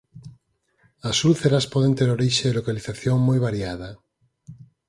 As úlceras poden ter orixe e localización moi variada.